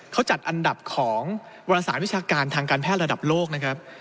เขาจัดอันดับของวรสารวิชาการทางการแพทย์ระดับโลกนะครับ